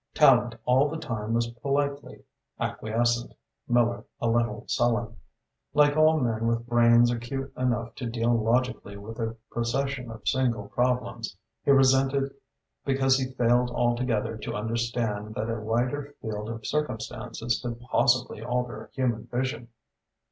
Tallente all the time was politely acquiescent, Miller a little sullen. Like all men with brains acute enough to deal logically with a procession of single problems, he resented because he failed altogether to understand that a wider field of circumstances could possibly alter human vision.